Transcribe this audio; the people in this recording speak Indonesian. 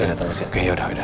oke ya sudah